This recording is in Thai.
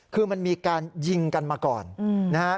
คือมันมีการยิงกันมาก่อนนะครับ